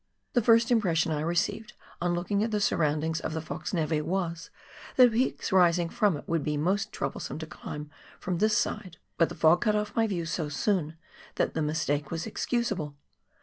The first impression I received on looking at the surroundings of the Fox neve was, that peaks rising from it would be most troublesome to climb from this side ; but the fog cut off my view so soon that the mistake was excusable.